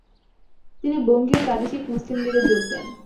তিনি বঙ্গীয় প্রাদেশিক মুসলিম লীগে যোগ দেন।